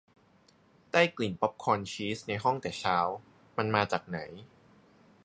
ได้กลิ่นป๊อบคอร์นชีสในห้องแต่เช้า มันมาจากไหน ?